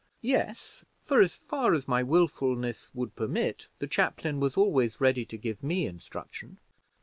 "Yes, for as far as my willfulness would permit, the chaplain was always ready to give me instruction."